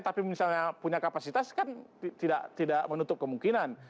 tapi misalnya punya kapasitas kan tidak menutup kemungkinan